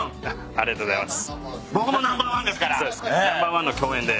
ありがとうございます。